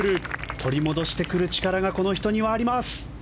取り戻してくる力がこの人にはあります。